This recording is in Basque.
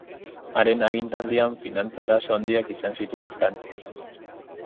Haren agintaldian finantza arazo handiak izan zituen Frantziak.